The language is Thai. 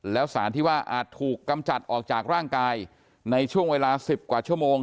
แล้วสารที่ว่าอาจถูกกำจัดออกจากร่างกายในช่วงเวลา๑๐กว่าชั่วโมง